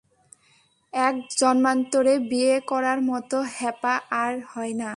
এক জন্মান্তরে বিয়ে করার মতো হ্যাপা আর হয় না।